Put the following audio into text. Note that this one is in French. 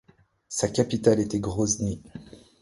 Sa capitale était Grozny.